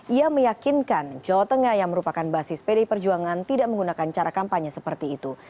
ia meyakinkan jawa tengah yang merupakan basis pdi perjuangan tidak menggunakan cara kampanye seperti itu